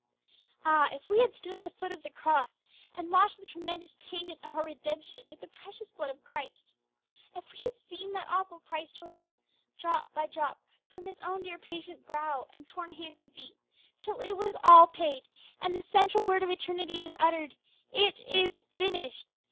Ah! if we had stood at the foot of the Cross, and watched the tremendous payment of our redemption with the precious blood of Christ, if we had seen that awful price told out, drop by drop, from His own dear patient brow and torn hands and feet, till it was ALL paid, and the central word of eternity was uttered, '_It is finished!